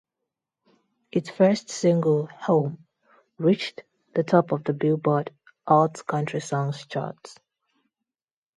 Its first single, "Home", reached the top of the "Billboard" Hot Country Songs charts.